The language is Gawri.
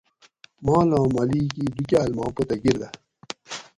مالاں مالک ئ دوکال ما پتہ گِر دہ